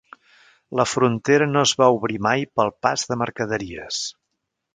La frontera no es va obrir mai pel pas de mercaderies.